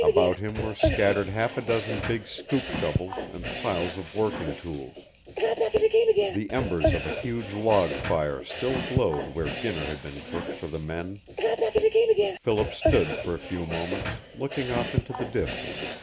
About him were scattered half a dozen big scoop shovels and piles of working tools. The embers of a huge log fire still glowed where dinner had been cooked for the men. Philip stood for a few moments, looking off into the distance.